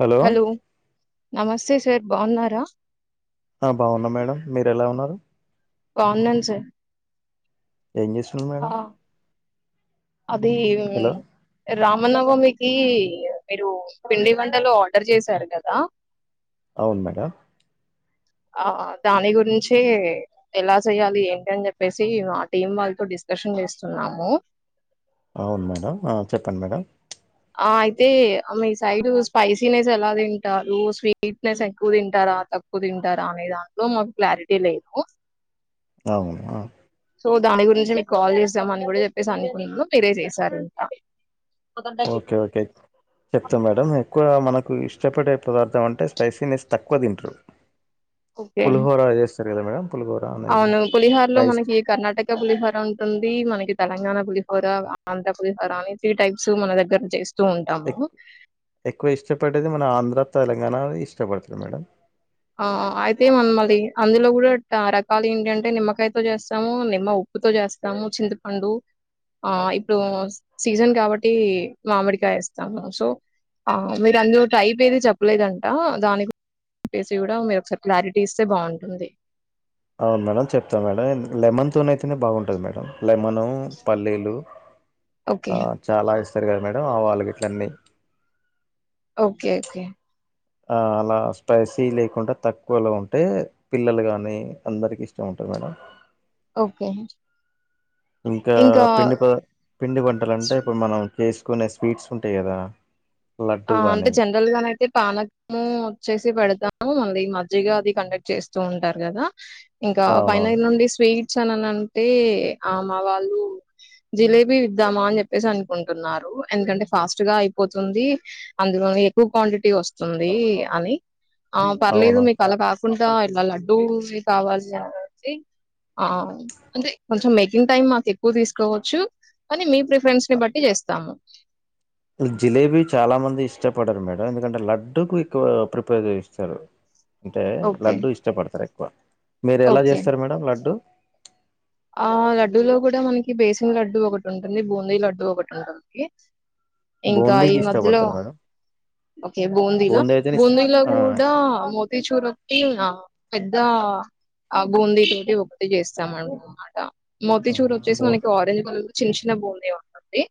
Hello నమస్తే sir బాగున్నారా ఆ బాగున్నా మేడం మీరు ఎలా ఉన్నారు బావున్నాను సార్ ఏం చేస్తున్నరు ఆ మేడం అది హలో రామ నవమికి మీరు పిండి వంటలు ఆర్డర్ చేశారు కదా అవును మేడం ఆ దాని గురించి ఎలా చెయ్యాలి ఏంటి అని చెప్పేసి మా టీం వాళ్ళతో డిస్కషన్ చేస్తున్నాము అవును మేడం చెప్పండి మేడం ఆ అయితే మీ సైడ్ స్పైసీ నెస్ ఎలా తింటారు స్వీట్ నెస్ ఎక్కువ తింటారా తక్కువ తింటారా అనే దాంట్లో మాకు క్లారిటీ లేదు అవునా సో దాని గురించి మీకు కాల్ చేస్తామ్ అని కూడా చెప్పేసి అనుకున్నాను మీరే చేసారు ఇంక కోదంట చిప్ ఓకే ఓకే చెప్తాం మేడం ఎక్కువ మనకు నాకు ఇష్టపడే పదార్థం అంటే స్పైసీనెస్ తక్కువ తింటరు ఓకే పుల్హోరా ఇస్ సరేనా మేడం పులిహోర అనేది అవును పులిహోర లో రైస్ మనకి కర్ణాటక పులిహోర ఉంటుంది మనకి తెలంగాణ పులిహో పులిహోర ఆంధ్రప్రదేశ్ అని త్రీ టైప్స్ మన దగ్గర చేసి ఎ ఎక్కువ ఇష్టపడేది మన ఆంధ్ర తెలంగాణ ఇష్ట పడుతుంది మేడం ఆ అయితే మనమ్ అది [inaudible] అందులో కూడా రకాలు ఏంటింటే నిమ్మకాయతో చేస్తాము నిమ్మ ఉప్పుతో చేస్తాము చింతపండు ఆ ఇప్పుడు ఉమ్. సీజన్ కాబట్టి ఈ మామిడికాయ వేస్తాము సో మీరు అందులో టైప్ ఏది చెప్పలేదంట దానికి ఏసీ కూడా మీరు ఒకసారి క్లారిటీ ఇస్తే బాగుంటుంది అవును మేడం చెప్తాం మేడం లెమన్ తో అయితేనే బాగుంటుంది మేడం లెమను పల్లీలు ఓకే. ఆ చాలా ఇస్త సరే కదా మేడం ఆవాలు గిట్ల అన్నీ ఓకే ఓకే అలా స్పైసీ లేకుండా తక్కువలో ఉంటే పిల్లలు కానీ అందరికి ఇష్టం ఉంటుంది మేడం ఓకే ఇంకా పిండి పద పిండి వంటలు స్ అంటే ఇప్పుడు మనం చేసుకునే స్వీట్స్ ఉంటాయి కదా లడ్డు ఆ అంటే గాని జనరల్ గాన అయితే పానకము వచ్చేసి పెడతాము మళ్ళీ మజ్జిగ అది కండక్ట్ చేస్తూ ఉంటారు కదా ఇంకా అవునవును వైనగర్ నుండి స్వీట్ చానానికి ఆ మా వాళ్ళు జిలేబీ ఇద్దామా అని చెప్పేసి అనుకుంటున్నారు ఎందుకంటే ఫాస్ట్ గా అయిపోతుంది అందులోనే ఎక్కువ క్వాంటిటీ వస్తుంది అని ఆ పర్లేదు అవునవును మీకు అలా కా చెకుంటా ఇట్లా లడ్డూ కావాలి అనేసి ఆ అంటే కొంచెం మేకింగ్ టైమ్ మాకు ఎక్కువ తీసుకోవచ్చు కానీ మీ ప్రిఫరెన్స్ ని బట్టి చేస్తాము జిలేబీ చాలా మంది ఇష్టపడారు మేడం ఎందుకంటే లడ్డుకు ఎక్కువ ప్రిపేర్ చేస్తారు అంటే ఓకే లడ్డుూ ఇష్టపడతారు కు [inaudible] మీరు ఎలా ఓకే చేస్తారు మేడం లడ్డు ఆ లడ్డూలో కూడా మనకి బేసిన్ లడ్డుూ ఒకటి ఉంటుంది బూందీ లడ్డు ఒకటి ఉంటుందింది ఇంకా ఈ బూందీకి మధలో ఇష్టపడతారు మేడం ఓకే బూందీలో బూందీ అయితేనే ఇష్టం బూందీలో ఆ కూడా మోతిచూరటి పెద్ద ఆ బూందీ తోటి ఒకటి చేస్తామం అనమాట మోతి చూర్ ఆహా! వచ్చేసి బో మనకి అరెంజ్ కలర్ చిన్న చిన్న బూందీ ఉంటుంది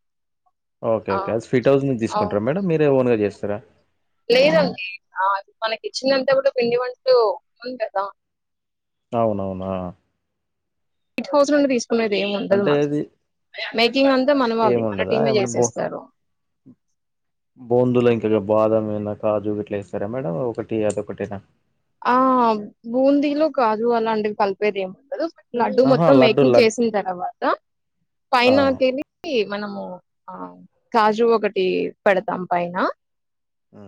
ఓకే ఆ ఓకే స్విట్ హౌస్ ను ఆ తీసుకుంటారా మేడం మీరు ఓన్ గా తీస్రా లేదండి ఆ మనకి ఇచ్చినంతప్పుడు పిండి వంటలు ఉ ఉంది కదా అవునవునా ఎయిట్ హౌజం ఉ తీ మీద ఏమి ఉండదు అంటే మన ఇది మేకింగ్ అంతా మన ఏమి వాళ్ళి మన ఉండదా టీమే ఏమన్నా బో చేసేస్తారు ఇట్గా బాదం ఏనా కాజు ఇట్లా ఏస్తరా మేడం ఒకటి అదొకటినా ఆ బూందీలు కాజు అలాంటివి కలిపేది ఏముండదు లడ్డుూ ఆహా మొత్తం లడ్డు మేకింగ్ లడ్ చేసిన తర్వాత ఆ పైనకెళ్ళి మనము ఆ కాజు ఒకటి పెడతాం పైన ఆ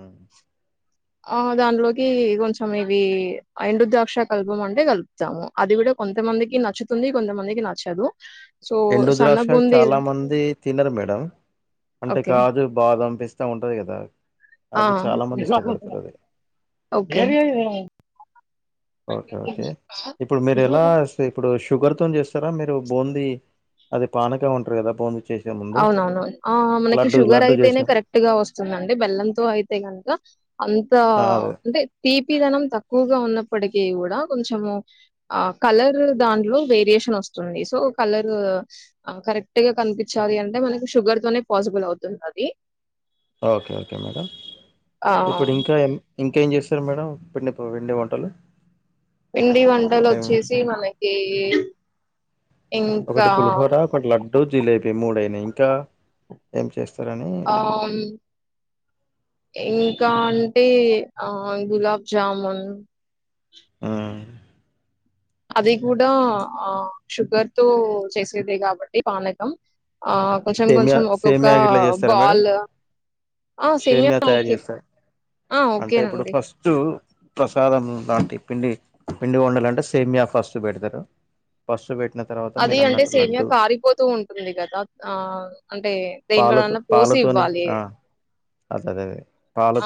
ఆ దాన్ట్లోకి కొంచం ఇవి ఎండు ద్రాక్ష కల్పం అంటే కలుపుతాము అది కూడా కొంతమందికి నచ్చుతుంది కొంతమందికి నచ్చదు సో ఎండు సన్న ద్రాక్ష బూందీ చాలా మంది తినరు మేడం అంటే ఓకే కాదు బాధ పంపిస్తు వస్తా ఉంటది కదా ఆ అవి చాలా మంది ఇష్టపడతారు అది ఒకె ఓకే ఓకే ఇప్పుడు మీరు ఎలా ఇప్పుడు షుగర్తో చేస్తారా మీరు బూందీ అది పానకం అంట్రు కదా బూందీ చేసే ముందు అవునవునవును ఆ మనకి లడ్డు షుగర్ లడ్డు అయితేనే చేసే కరెక్ట్ గా వస్తుందండి బెల్లంతో అయితే కనుక అంత ఆ, అదే అంటే తీపిదనం తక్కువగా ఉన్న ఇప్పటిక కూడా కొంచెము కలర్ దాంట్లో వేరియేషన్ వస్తుంది సో కలర్ కరెక్ట్ గా కనిపి చ్చాలి అంటే మనకి షుగర్ తోనే పాసిబుల్ అవుతుంది అది ఓకే ఓకే మేడం ఆ ఇప్పుడు ఇంకా ఏం ఇంకేం చేస్తారు మేడండి వెండి వంటలు పిండి వంటలు మేము ఒచ్చేసి మనకి ఇంకా ఒకటి పులిహోర ఒకటి లడ్డు జిలేబీ మూడయినయి ఇంకా ఏం చేస్ ఆం ఇం ఇంకా అంటే ఆ గులాబ్ జామున్ ఉం అది కూడా ఆ షుగర్ తో చేసేదే కాబట్టి పానకం ఆ కొంచెం సేమయా కొంచెం ఒక్కొక్క సేమ్యా ఇట్లా చేస్తారుా మేడం బాల్ ఆ సేమియా సేమయా తయారు ఓకే చేస్తారు ఆ అంటే ఇప్పుడు ఓకేనండి ఫస్ట్ ప్రసాదం లాంటి పిండి పిండి వండలంటే సేమ్యా ఫస్ట్ పెడతారు ఫస్ట్ పెట్ అది అంటే సేమ్య కారిపోతూ ఉంటుంది కదా ఆ అంటే దేన్ట్ల నన్న పోసి ఇవ్వాలి అదేదే అదే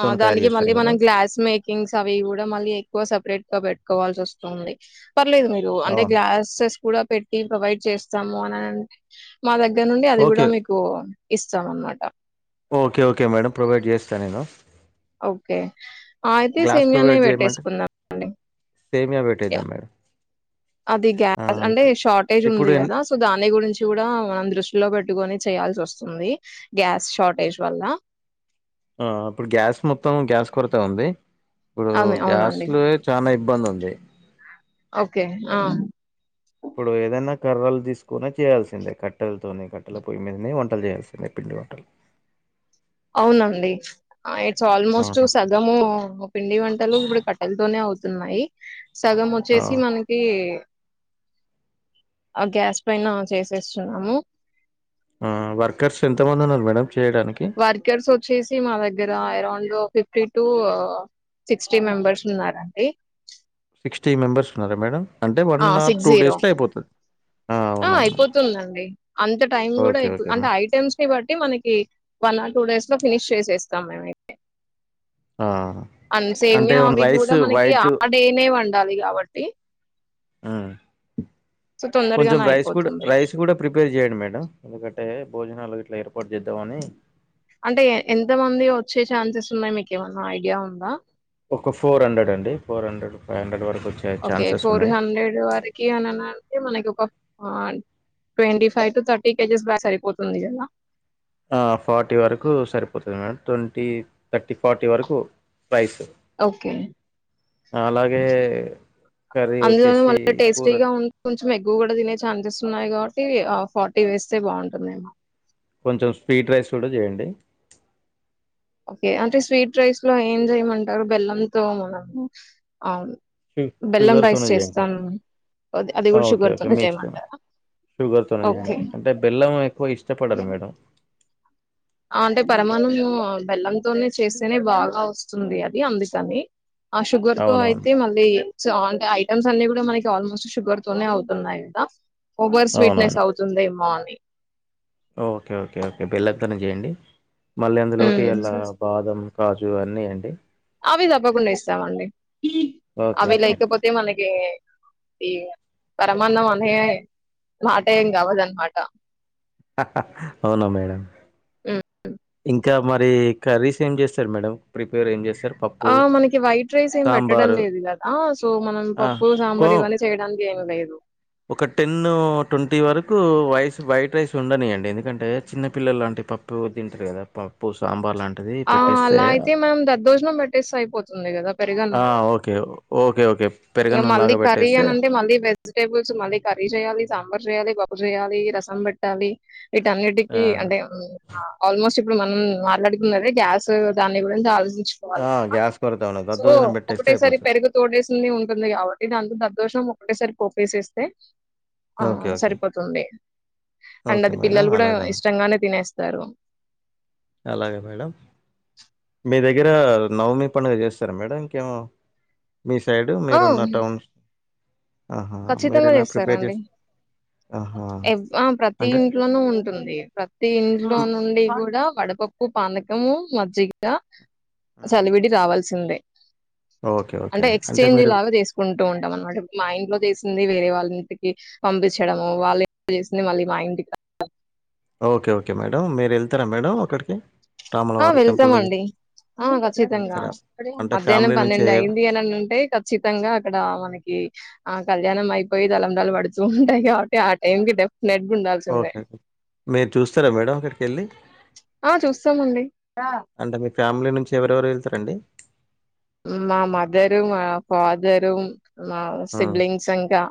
ఆ తయారు దానికి మళ్ళీ చేస్తారు కదా మనం గ్లాస్ మేకింగ్స్ అవి కూడా మళ్ళీ ఎక్కువ సపరేట్ పెట్టుకోవాల్సి వస్తుంది పర్లేదు మీరు అంటే అవును గ్లాసెస్ కూడా పెట్టి ప్రొవైడ్ చేస్తాము అనింటే మా దగ్గర నుండి అది గూడా ఓకే మీకు ఇస్తాం అన్నమాట ఓకే ఓకే మేడం ప్రొవైడ్ చేస్తా నేను ఓకే అయితే సేమయానే పెట్టేసుకుందాండి సేమయా బేటద్దా మేడం అది ఆ గ్యాస్ అంటే ఇప్పుడు షార్టేజ్ ఇప్పుడు ఉంది ఎన్ని గదా సో దాని గురించి గూడా మనం దృష్టిలో పెట్టుకని చేయాల్సి వస్తుంది వుంది గ్యాస్ షార్టేజ్ వల్ల ఆ ఇప్పుడు గ్యాస్ మొత్తం గ్యాస్ కొరత ఉంది ఇప్పుడు అమె గ్యాస్ అవునండి లో చనా ఇబ్బంది ఉంది ఓకే ఆ ఇప్పుడు ఏదైనా కర్రలు తీసుకుని చేయాల్సిందే కట్టెలతోని కట్టెల పొయ్యి మీదని వంటలు చేయాల్సిందే పిండి వంటలు అవునండి ఇట్స్ ఆల్మోస్ట్ ఆహా! సగము పిండి వంటలు ఇప్పుడు కట్టెలతోనే అవుత న్నాయి సగం ఆ వచ్చేసి మనకి ఆ గ్యాస్ పైన చేసేస్తున్నాము ఆ వర్కర్స్ ఎంతమంది ఉన్నారు మేడం చేయడానికి వర్కర్స్ వచ్చేసి మా దగ్గర అ ఫిఫ్టీ టు సిక్స్టీ మెంబర్స్ ఉన్నారండి త్రీ నెంబర్స్ ఉన్నారా మేడం అంటే వన్ ఆ ఆర్ సిక్స్ టూ జీరో డేస్లో అయిపోతది ఆ అవునవును అయిపోతుందండి అంత టైం కూడా ఓకే ఎక్కు ఓకే అంటే మేడం ఐటెమ్స్ ని బట్టి మనకి one or two days so finish చేసేస్తాం మే అయితే ఆ అంటే అన్సేమ్య ఏమన్నా అవి రైస్ కూడా మనకి వైట్ ఆ డేనే వండాలి కాబట్టి ఆ కొంచెం తొందరగానే రైస్ కూడా అయిపోతుంది. రైస్ కూడా ప్రిపేర్ చేయండి మేడం ఎందుక టే భోజనాల అంటే ఎంత మంది వచ్చే చాన్సస్ ఉన్నాయి మీకేమన్నా ఐడియా ఉందా? ఒక ఫోర్ హండ్రెడ్ అండి ఫోర్ హండ్రెడ్ ఫై హండ్రె వకు ఓకే ఫోర్ హండ్రెడ్ వరకి అని అంటే మనకి twenty five to thirty kgs బాగా సరిపోతుంది ఇలా అ ఫార్టీ వరకు సరిపోతుంది మేడం ట్వంటీ థర్టీ ఫార్టీ వరకు రైస్ ఓకే అలాగే కర్రీ అందులోనే వచ్చేసి మళ్ళీ కూర టేస్టీగా ఉ కొంచెం ఎగవ కూడా తినే ఛాన్సెస్ ఉన్నాయి కాబట్టి ఫార్టీ వేస్తే బాగుంటుందేమో కొంచెం స్వీట్ రైస్ కూడా చేయండి ఓకే అంటే స్వీట్ రైస్ లో ఏం చేయమంటారు బెల్లంతో మనము ష బెల్లం రైస్ షుగర్తోనే చేయండి మేడం చేస్తాను అది అది కూడా ఓకే షుగర్ ఓకే తోనే మీ ఇష్టం చేయమంటారా షుగర్తోనే ఓకే చేయండి అంటే బెల్లం ఎక్కువ ఇష్టపడరు మేడం అంటే పరమాణము బెల్లంతోనే చేస్తేనే బాగా వస్తుంది అది అందుకని ఆ షుగర్ తో అవునవును అయితే మళ్ళీ స అంటే ఐటమ్స్ అన్ని కూడా మనకి ఆల్మోస్ట్ షుగర్ తోనే అవుతున్నాయి కదా ఓవర్ స్వీట్నెస్ అవునవును అవుతుందిమ ఓకే ఓకే ఓకే బెల్ంతన చేయండి మళ్ళీ అందులోటి ఉమ్. అలా బాదం కాజు అన్నీ అండి ఇవ్వకుండా ఇస్తామండి ఓకే అవి ఓకే లేకపోతే మనకి ఈ పరమాన్నం అనే మాటే ఏం కావదున్నమాట అవునా మేడం హ్మ్. ఇంకా ఇంకా మరి కర్రీస్ ఏం చేస్తారు మేడం ప్రిపేర్ ఏం చేస్తారు పప్పు ఆ మనకి వైట్ రైస్ ఏం పెట్టడం సాంబారు లేదు కదా సో మనం ఆ పప్పు కో సాంబార్ ఇవన్నీ చేయడానికి నద ఇదు ఒక టెన్ ట్వంటీ వరకు వైస్ వైట్ రైస్ ఉండని అండి ఎందుకంటే చిన్న పిల్లలు లాంటి పప్పు తింటారు కదా పప్పు సాంబార్ లాంటి ఆ అలా అయితే మనం దద్దోజునం పెట్టేస్త అయిపోతుంది ఉంధి కదా ఆ ఓకే ఓకే ఓకే ఇంకా పెరగన్నం మళ్ లాగా కర్రీ పెట్టేస్తే అంటే మళ్ళీ వెజిటబుల్స్ మళ్ళీ కర్రీ చేయాలి సాంబార్ యాలి బజయాలి రసం పెట్టాలి ఆ ఇటన్నిటికీ అంటే ఆల్మోస్ట్ ఇప్పుడు మనం మాట్లాడుకున్నదే గ్యాస్ దాన్ని కూడాంచి చాల్సింది ల ఆ కదా గ్యాస్ కొరత ఉండదు సో దద్దోజనం పెట్టేస్తే ఒకటేసారి అయిపోతది పెరుగు తోడేసింది ఉ ది కాబట్టి ఇ దాంత దదోషం ఒకటేసారి కోపేసేస్తే ఆ ఓకే ఓకే సరిపోతుంది అండ్ ఓకే అది మేడం పిల్లలు కూడా అలాగే మేడం ఇష్టంగానే తినేస్తారు తరు అలాగే మేడం మీ దగ్గర నవమి పండుగ చేస్తారా మేడం ఇంకేమో మీ సైడ్ ఆ మీరున్న టౌన్ ఆహా! ఖచ్చితంగా మీరెలా ప్రిపేర్ చేస్తారండి చేస్ ఆహా! ఎ ప్రతి అంటే ఇంట్లోనూ ఉంటుంది ప్రతి ఇంట్లో హ్మ్. నుండి కూడా పడు పప్పు పానకము మజ్జిగా హ్మ్. సెలబిటీ రావాల్సిందే ఓకే. ఓకే. అంటే ఎక్స్చేంజ్ మీరు లాగా చేసుకుంటూ ఉంటాం అనమాట మైండ్ లో ంది వేరే వాళ్ళ ఇంటికి పంపించడము వాళ్ళు చేసింది మళ్ళీ మా ఇంటికి ఓకే ఓకే మేడం మీరు వెళ్తే రా మేడం అక్కడికి ఆ రాములవారి టెంపుల్ దగ్గర వెళ్తామండి ఆ ఖచ్చితంగా వెళ్తారా? అంటే మధ్యాహ్నం ఫ్యామిలీ నుంచే పన్నెండు అయింది అనింటే ఖచ్చితంగా అక్కడ మనకి ఆ కళ్యాణం అయిపోయి తలంరాలు పడుతు ఉంటాయి కాబట్టి ఆ టైం కి డెఫినెట్ గా ఉండాల్సిందే ఓకేం మీరు చూస్తారా మేడం అక్కడికి వెళ్ళి ముండి ఫ్యామిలీ నుంచి ఎవరెవరు వెళ్తారండి మా మదర మా ఫాదర మా ఆ! సిబ్లింగ్స్ ఇంకా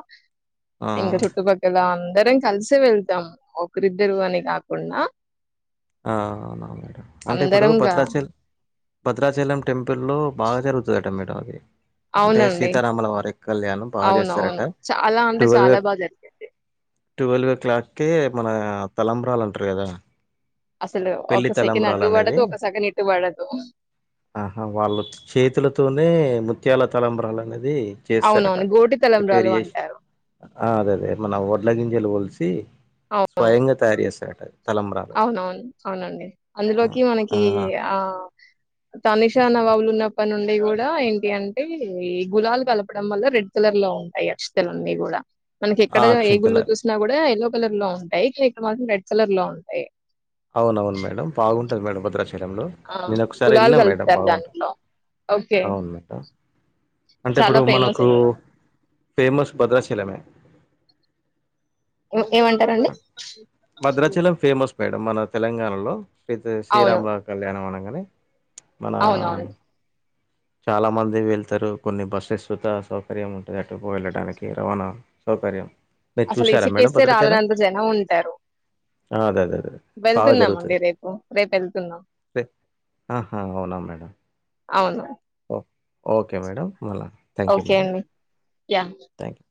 ఆ! ఇంకా చుట్టుపక్కల అందరం కలిస వెళ్తాం ఒకరిద్దరు అని కాకుండా అవునా మేడం అంటే ఇప్పుడు అందరంగా భద్రాచల్ భద్రాచలం టెంపుల్లో బాగా జరుగుతుందట మేడం అది అంటే అవునండి సీతారాముల వారి కళ్యాణం బాగా చేస్తారట. అవునవును చ అలా అంటే చాలా బాగా జరిగింది ట్వెల్వ్ ఓ క్లాక్కే మన తలంబ్రాల అంటారు కదా అసలు ఒక సెకండ్ పెళ్లితలంబ్రాలు అటు అనేది పడదు, ఒక సెకండ్ ఇటు పడదు. ఆహా వాళ్ళు చేతులతోనే ముత్యాల తలంబ్రాలు అనేది ిప చేస్తారట అవునవును. గోటి తలంబ్రాలు అంటారు. ఆ అదదే మన వల గంజలు సె అవును. స్వయంగా తయారు చేస్తారట తలంబ్రాలు అవునవును. అవునండి ఆ అందులోకి ఆ మనకి ఆ తనిషానవావులు ఉన్నప్పటి నుండి కూడా ఏంటి అంటే ఈ గులాలు కలపడం వల్ల రెడ్ కలర్ లో ఉంటాయి అక్షతలన్నీ కూడా మనకి ఆ ఎక్కడ ఏగుళ్లో అక్షింతలు చూసినా కూడా ఏఎ కలర్ లో ఉంటాయి లేక మాత్రం రెడ్ట్ కర్ లో ఉ అయి అవునవును మేడంమ్ బాగుంటది మేడం భద్రా డంలో ఆ! నేను ఒకసారి గులాల్ వెళ్ళనం మేడం కలుపుతారు బాగుంటాను దాంట్లో. ఓకే. బాగుంది మేడం అంటే చాలా ఇప్పుడు ఫేమస్ మనకు ఇది. ఫేమస్ భద్రాచలమే ఏ ఏమంటారండి ఆమేడం మన తెలంగాణలో ఇతే అవును. శ్రీరాముల వారి కళ్యాణంనంగా అ ప్చ్ అవునవును. మనామ్ చాలా మంది వెళ్తారు కొన్ని బస్సెస్ వద్ద సౌకర్యం ఉంటది. అటుకు వెళ్ళడానికి రవాణా సౌకర్యం మీరు అసలు చూసారా మేడం ఇసుకేస్తే భద్రాచలం రాలనంత జనం ఉంటారు ఆ, అదే అదే అదే బాగా జరుగుతది వెళ్తున్నామండి రేపు రేపు వెళ్తున్నాం ఆహా అవునా మేడం అవును ఓ- ఓకే మేడం మళ థ్యాంక్ యూ ఓకే మ్యాడం అండి. యాహ్! Thank you